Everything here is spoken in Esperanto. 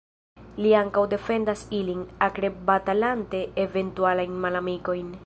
Li ankaŭ defendas ilin, akre batalante eventualajn malamikojn.